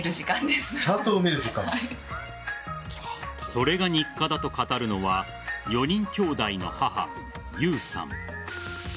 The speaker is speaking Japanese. それが日課だと語るのは４人兄弟の母・優さん。